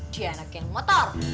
dia anak yang motor